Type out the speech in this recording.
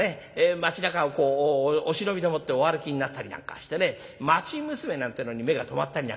町なかをお忍びでもってお歩きになったりなんかしてね町娘なんてのに目が留まったりなんかします。